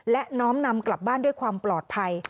และน้อมนำกลับบ้านด้วยความปลอดภัย